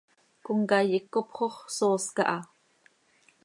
Comcaii hipcop xox soos caha.